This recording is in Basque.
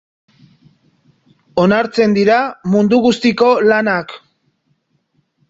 Onartzen dira mundu guztiko lanak.